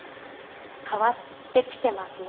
変わってきてますね。